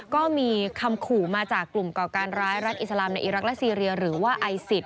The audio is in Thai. ก็มีคำขู่มาจากกลุ่มก่อการร้ายรัฐอิสลามในอีรักษ์และซีเรียหรือว่าไอซิส